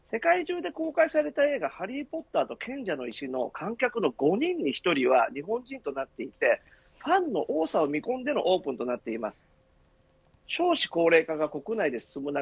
世界中で公開されたハリー・ポッター賢者の石の観客の５人に１人は日本人となっていてファンの多さを見込んでのオープンとなっています。